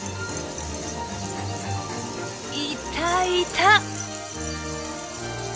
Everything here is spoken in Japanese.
「いたいた！」。